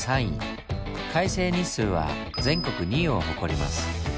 快晴日数は全国２位を誇ります。